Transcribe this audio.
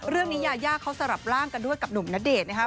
ยายาเขาสลับร่างกันด้วยกับหนุ่มณเดชน์นะครับ